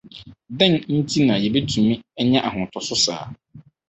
Dɛn nti na yebetumi anya ahotoso saa?